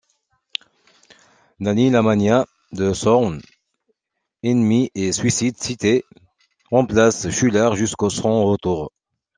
Danny Lamagna de Sworn Enemy et Suicide City remplace Schuler jusqu'à son retour.